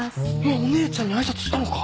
お姉ちゃんに挨拶したのか？